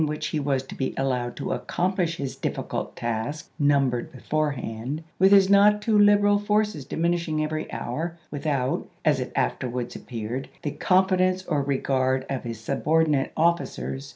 which he was to be allowed to accomphsh his difficult ^'^^' task numbered beforehand, with his not too liberal forces diminishing every hour, without, as it after wards appeared, the confidence or regard of his subordinate officers.